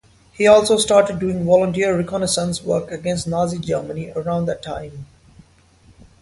He also started doing volunteer reconnaissance work against Nazi Germany around that time.